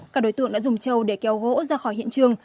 các đối tượng đã dùng châu để kéo gỗ ra khỏi hiện trường